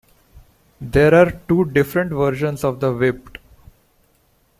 There are two different versions of the Whipped!